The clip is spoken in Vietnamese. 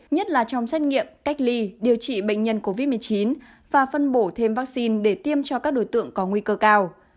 nhất là trong xét nghiệm cách ly điều trị bệnh nhân covid một mươi chín và phân bổ thêm vaccine để tiêm cho các đối tượng có nguy cơ cao